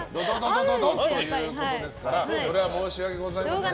ドドドっということですからそれは申し訳ございません。